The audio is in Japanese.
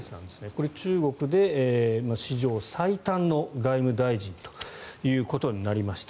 これ、中国で史上最短の外務大臣ということになりました。